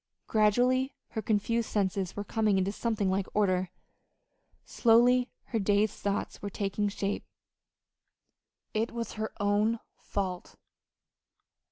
Gradually her confused senses were coming into something like order. Slowly her dazed thoughts were taking shape. It was her own fault.